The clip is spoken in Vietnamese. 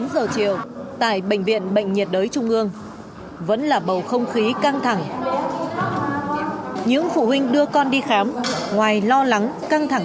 bốn giờ chiều tại bệnh viện bệnh nhiệt đới trung ương vẫn là bầu không khí căng thẳng